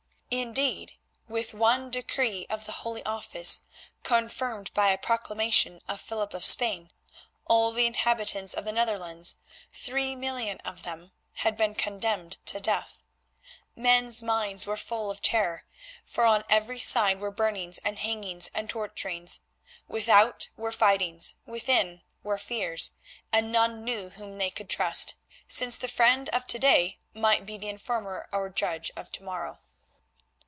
Indeed, with one decree of the Holy Office, confirmed by a proclamation of Philip of Spain, all the inhabitants of the Netherlands, three millions of them, had been condemned to death. Men's minds were full of terror, for on every side were burnings and hangings and torturings. Without were fightings, within were fears, and none knew whom they could trust, since the friend of to day might be the informer or judge of to morrow.